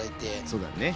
そうだね。